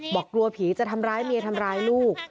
บอกกลัวผีจะทำร้ายเมียทำร้ายลูก